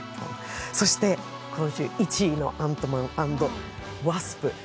そして今週１位の「アントマン＆ワスプ」。